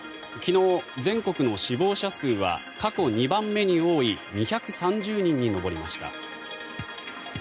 昨日、全国の死亡者数は過去２番目に多い２３０人に上りました。